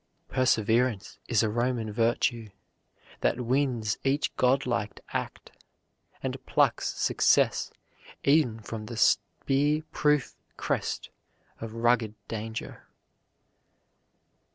"Perseverance is a Roman virtue, That wins each godlike act, and plucks success E'en from the spear proof crest of rugged danger."